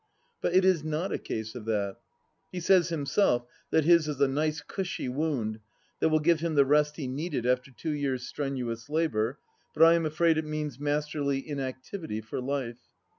But it is not a case of that. He says himself that his is a nice cooshy wound that will give him the rest he needed after two years' strenuous labour, but I am afraid it means masterly inactivity for life.